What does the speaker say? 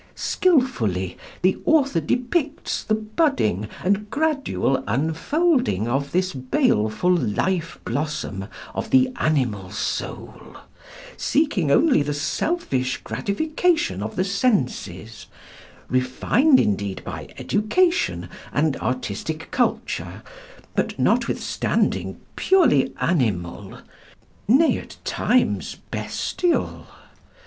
Skilfully the author depicts the budding and gradual unfolding of this baleful life blossom of the animal soul, seeking only the selfish gratification of the senses, refined indeed by education and artistic culture, but, notwithstanding, purely animal nay, at times, bestial.